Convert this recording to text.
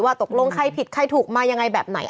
ตกลงใครผิดใครถูกมายังไงแบบไหน